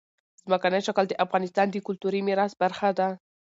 ځمکنی شکل د افغانستان د کلتوري میراث برخه ده.